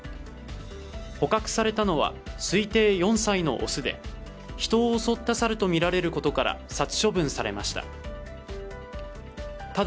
捕獲されたのは、推定４歳の雄で人を襲った猿とみられることから殺処分されました。